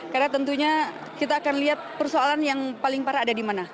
karena tentunya kita akan lihat persoalan yang paling parah ada di mana